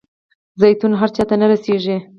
زیتون هر چاته نه رسیږي.